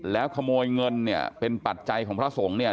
แล้วขโมยเงินเนี่ยเป็นปัจจัยของพระสงฆ์เนี่ย